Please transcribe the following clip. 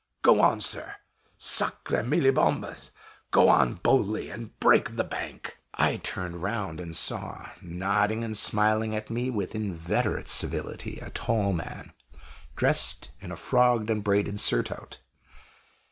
Go on, sir Sacre mille bombes! Go on boldly, and break the bank!" I turned round and saw, nodding and smiling at me with inveterate civility, a tall man, dressed in a frogged and braided surtout.